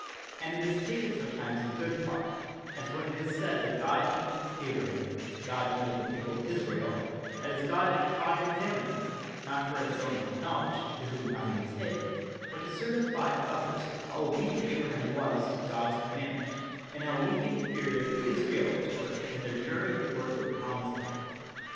And it is taken sometimes in good part, as when it is said that God tempted Abra ham, God tempted the people of Israel ; that is, God did try and examine them, not for his own knowledge, to whom nothing is hid, but to certify others how obedient Abraham was to God's com mandment, and how weak and inferior the Isra elites were m their journey toward the promised land.